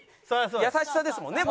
優しさですもんね